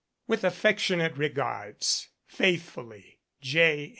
With affectionate regards, Faithfully, J.